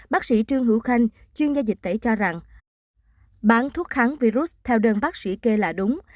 bác sĩ trương hữu khanh chuyên gia dịch tẩy cho rằng bán thuốc kháng virus theo đơn bác sĩ kê là đúng